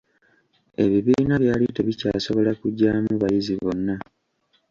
Ebibiina byali tebikyasobola kugyamu bayizi bonna.